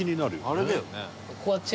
「あれだよね」